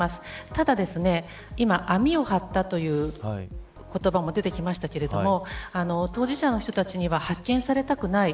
ただ今、網を張ったという言葉も出てきましたけれども当事者の人たちには発見されたくない。